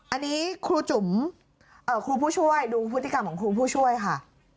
อันนี้คุณผู้ช่วยดูพฤติกรรมของคุณผู้ช่วยค่ะ